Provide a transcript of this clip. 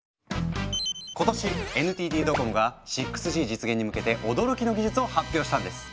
今年ＮＴＴドコモが６Ｇ実現に向けて驚きの技術を発表したんです。